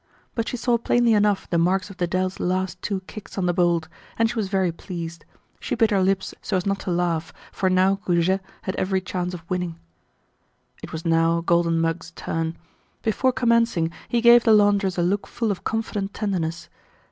But she saw plainly enough the marks of Dedele's last two kicks on the bolt, and she was very pleased. She bit her lips so as not to laugh, for now Goujet had every chance of winning. It was now Golden Mug's turn. Before commencing, he gave the laundress a look full of confident tenderness.